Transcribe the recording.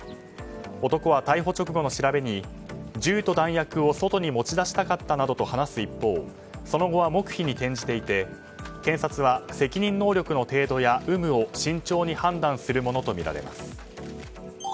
男は逮捕直後の調べに銃と弾薬を外に持ち出したかったなどと話す一方その後は黙秘に転じていて検察は責任能力の程度や有無を慎重に判断するものとみられます。